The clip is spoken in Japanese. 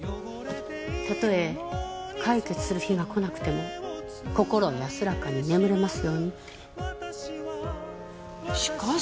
たとえ解決する日が来なくても心安らかに眠れますようにって。